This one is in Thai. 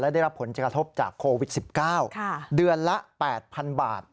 ได้รับผลกระทบจากโควิด๑๙เดือนละ๘๐๐๐บาท